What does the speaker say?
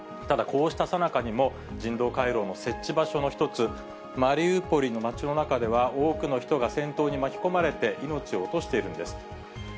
ただ、こうしたさなかにも、人道回廊の設置場所の一つ、マリウポリの町の中では多くの人が戦闘に巻き込まれて、命を落としているんです。